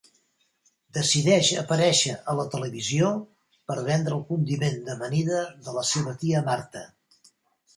Decideix aparèixer a la televisió per vendre el condiment d'amanida de la seva tia Martha.